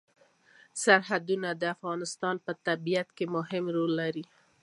سرحدونه د افغانستان په طبیعت کې مهم رول لري.